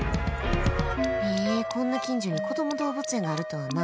へー、こんな近所にこども動物園があるとはな。